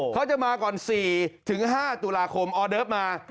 เขาจะมาก่อน๔๕ตุลาคมออเดิฟมา